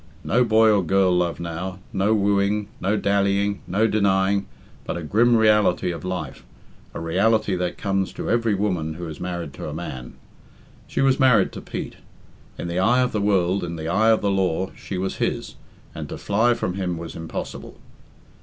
No boy or girl love now, no wooing, no dallying, no denying, but a grim reality of life a reality that comes to every woman who is married to a man. She was married to Pete. In the eye of the world, in the eye of the law, she was his, and to fly from him was impossible.